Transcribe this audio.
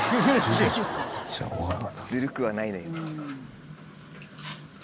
ずるくはないのよ。